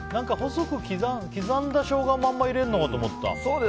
細く刻んだショウガをまんま入れるのかと思った。